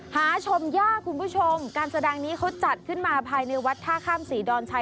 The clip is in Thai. หาชมยากคุณผู้ชมการแสดงนี้เขาจัดขึ้นมาภายในวัดท่าข้ามศรีดอนชัย